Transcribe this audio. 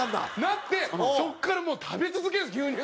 なってそこからもう食べ続けるんです牛乳